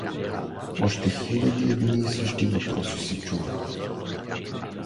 Още хиледи едни и същи въпроси се чуваха.